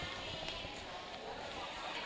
อันนี้ก็จะเป็นอันนที่สุดท้าย